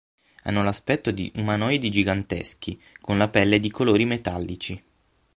Hanno l'aspetto di umanoidi giganteschi, con la pelle di colori metallici.